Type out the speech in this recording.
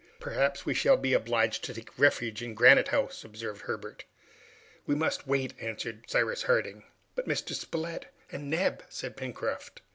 "Perhaps we shall be obliged to take refuge in Granite House!" observed Herbert. "We must wait!" answered Cyrus Harding. "But Mr. Spilett and Neb?" said Pencroft.